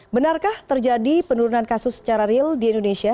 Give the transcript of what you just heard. benarkah terjadi penurunan kasus secara real di indonesia